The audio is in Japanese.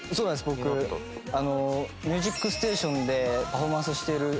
僕『ミュージックステーション』でパフォーマンスをしているＨｅｙ！